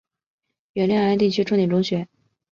原六安地区重点中学。